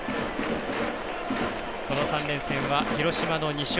この３連戦は広島の２勝。